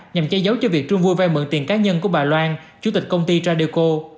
nhằm cháy dấu cho việc trương vui vay mượn tiền cá nhân của bà loan chủ tịch công ty tradeco